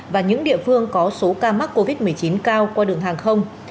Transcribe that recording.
và những địa phương có số ca mắc covid một mươi chín cao qua đường hàng không